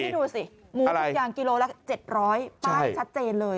นี่ดูสิหมูทุกอย่างกิโลกรัมละ๗๐๐บาทแชทเจนเลย